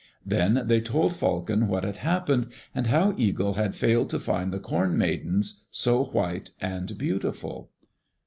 Then they told Falcon what had happened, and how Eagle had failed to find the Corn Maidens, so white and beautiful.